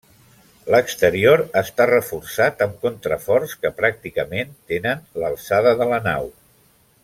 L'exterior està reforçat amb contraforts que pràcticament tenen l'alçada de la nau.